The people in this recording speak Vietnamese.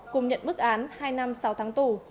cùng nhận bức án hai năm sáu tháng tù